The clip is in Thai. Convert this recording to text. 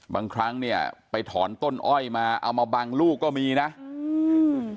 บางครั้งเนี้ยไปถอนต้นอ้อยมาเอามาบังลูกก็มีนะอืม